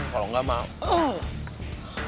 kalau enggak mah